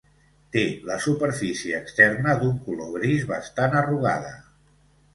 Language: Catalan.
Té la superfície externa d'un color gris bastant arrugada.